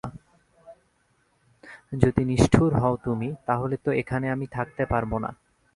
যদি নিষ্ঠুর হও তুমি, তা হলে তো এখানে আমি থাকতে পারব না।